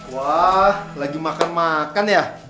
wah lagi makan makan ya